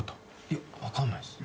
いや分かんないです。